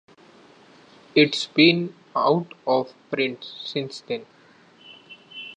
It's been out of print since then.